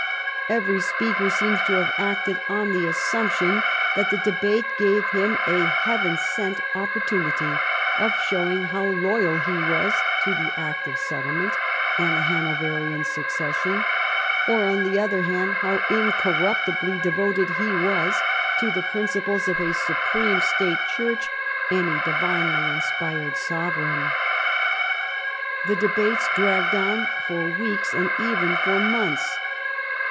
Every speaker seems to have acted on the assumption that the debate gave him a Heaven sent opportunity of showing how loyal he was to the Act of Settlement and the Hanoverian succession, or, on the other hand, how incorruptibly devoted he was to the principles of a supreme state Church and a divinely inspired sovereign. The debates dragged on for weeks and even for months.